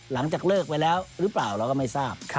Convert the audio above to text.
หลังจากเลิกไปแล้วหรือเปล่าเราก็ไม่ทราบ